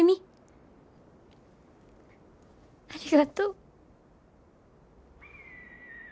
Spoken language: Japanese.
ありがとう。